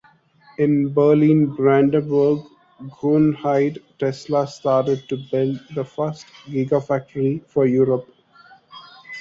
In Berlin-Brandenburg, Grünheide, Tesla started to build the first Gigafactory for Europe.